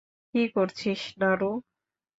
কী করছিস, নারু?